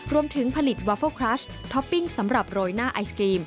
รวมถึงผลิตวาเฟิลคลัสท็อปปิ้งสำหรับโรยหน้าไอศกรีม